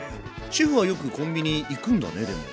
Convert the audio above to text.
シェフはよくコンビニ行くんだねでも。